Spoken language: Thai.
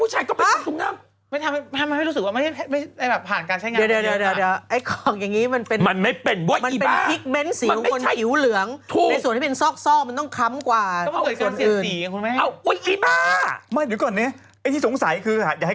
ชะเง่หรอถ้าผู้หญิงเข้าใจได้